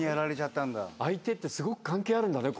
相手ってすごく関係あるんだね